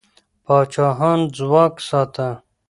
پاچاهان ځواک ساته.